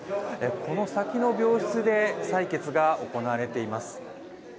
この先の病室で採血が行われています。